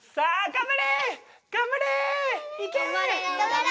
頑張れ！